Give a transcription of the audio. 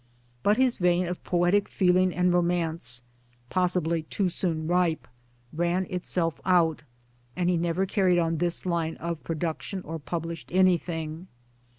But his vein of poetic feeling and romance, possibly too soon ripe, ran itself out, and he never carried on this line of pro duction or published anything.